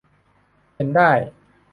เป็นได้